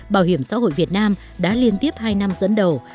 bảo hiểm xã hội việt nam đã liên tiếp hai năm dẫn đầu